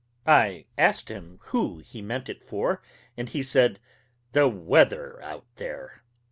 I asked him who he meant it for, and he said, "The weather out there."